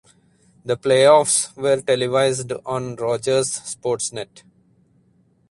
The playoffs were televised on Rogers Sportsnet.